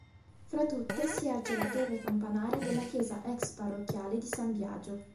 Fra tutte si erge la torre campanaria della chiesa ex parrocchiale di San Biagio.